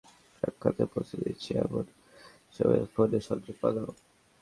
ইংরেজিতে প্রশ্নগুলো সাজিয়ে সাক্ষাৎকারের প্রস্তুতি নিচ্ছি, এমন সময়ে ফোনে সংযোগ পাওয়া গেল।